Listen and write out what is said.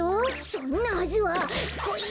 そんなはずはこい！